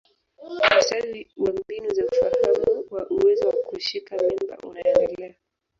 Ustawi wa mbinu za ufahamu wa uwezo wa kushika mimba unaendelea.